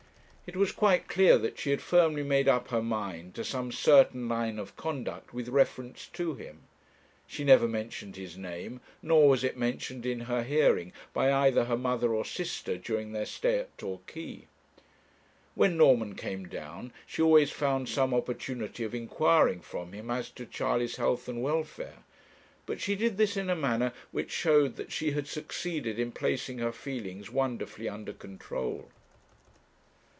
It was quite clear that she had firmly made up her mind to some certain line of conduct with reference to him; she never mentioned his name, nor was it mentioned in her hearing by either her mother or sister during their stay at Torquay. When Norman came down, she always found some opportunity of inquiring from him as to Charley's health and welfare; but she did this in a manner which showed that she had succeeded in placing her feelings wonderfully under control.